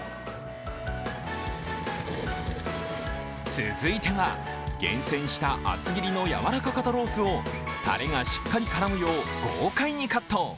続いては、厳選した厚切りのやわらか肩ロースをタレがしっかり絡むよう豪快にカット。